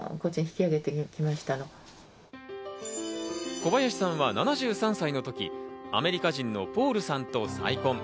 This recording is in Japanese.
小林さんは７３歳のとき、アメリカ人のポールさんと再婚。